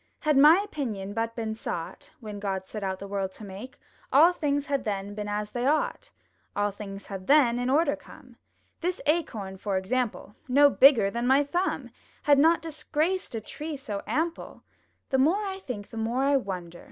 Had my opinion but been sought, When God set out the world to make, All things had then been as they ought! All things had then in order come! This Acorn for example, No bigger than my thumb, Had not disgraced a tree so ample. The more I think, the more I wonder!